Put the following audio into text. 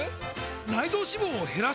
内臓脂肪を減らす！？